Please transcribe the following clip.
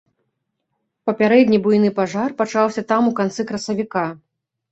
Папярэдні буйны пажар пачаўся там у канцы красавіка.